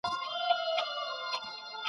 زه بازۍ خوښوم.